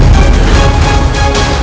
kau akan menang